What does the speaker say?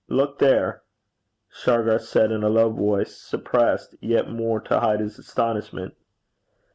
Look there!' Shargar said in a low voice, suppressed yet more to hide his excitement.